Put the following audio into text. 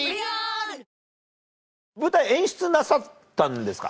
舞台演出なさったんですか？